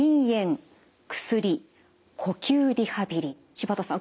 柴田さん